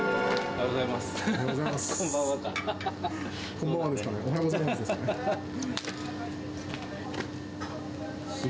おはようございます。